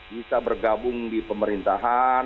bisa bergabung di pemerintahan